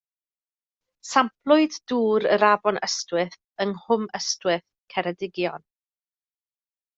Samplwyd dŵr yr Afon Ystwyth yng Nghwm Ystwyth, Ceredigion.